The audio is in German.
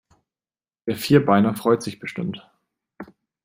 Der Vierbeiner freut sich bestimmt.